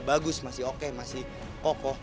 bagus masih oke masih kokoh